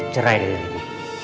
cerai dari sini